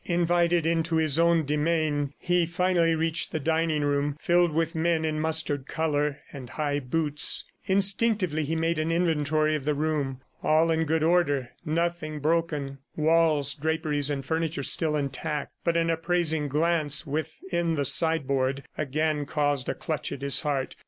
Invited into his own demesne, he finally reached the dining room, filled with men in mustard color and high boots. Instinctively, he made an inventory of the room. All in good order, nothing broken walls, draperies and furniture still intact; but an appraising glance within the sideboard again caused a clutch at his heart.